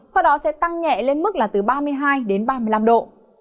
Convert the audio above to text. sau đó sẽ tăng nhẹ lên mức là từ ba mươi hai đến ba mươi năm độ